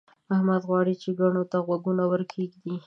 احمد غواړي چې کڼو ته غوږونه ورکېږدي.